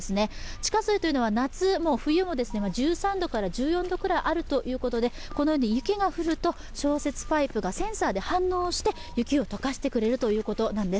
地下水というのは夏も冬も１３度から１４度くらいあるということで、このように雪が降ると消雪パイプがセンサーで反応して雪を解かしてくれるということなんです。